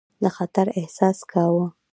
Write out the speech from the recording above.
د خطر احساس کاوه.